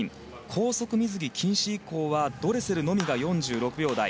高速水着禁止以降はドレセルのみが４６秒台。